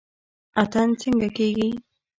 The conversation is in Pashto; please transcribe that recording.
اتن څنګه کیږي؟